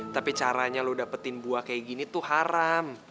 tapi caranya lo dapetin buah kayak gini tuh haram